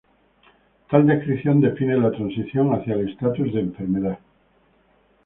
Tal descripción define la transición hacia el estatus de enfermedad.